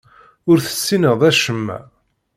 Ur tessineḍ acemma.